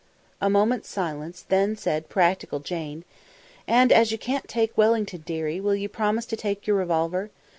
A moment's silence; then said practical Jane: "And as you can't take Wellington, dearie, will you promise to take your revolver?